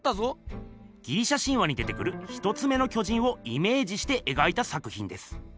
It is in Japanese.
ギリシャ神話に出てくる一つ目の巨人をイメージして描いた作ひんです。